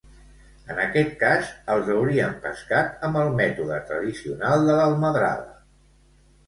En aquest cas els haurien pescat amb el mètode tradicional de l'almadrava.